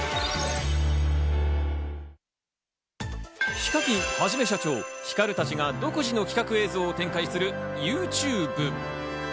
ＨＩＫＡＫＩＮ、はじめしゃちょー、ヒカルたちが独自の企画映像を展開するＹｏｕＴｕｂｅ。